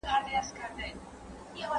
¬ ړنده سترگه څه ويښه، څه بيده.